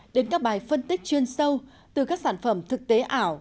đến các bài phân tích chuyên sâu từ các sản phẩm thực tế ảo